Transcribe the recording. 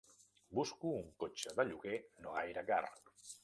Busco un cotxe de lloguer no gaire car.